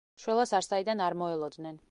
შველას არსაიდან არ მოელოდნენ.